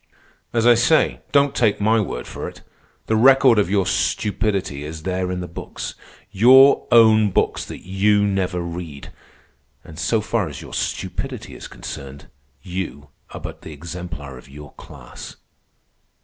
As I say, don't take my word for it. The record of your stupidity is there in the books, your own books that you never read. And so far as your stupidity is concerned, you are but the exemplar of your class.